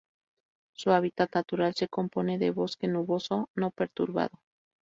Su hábitat natural se compone de bosque nuboso no perturbado.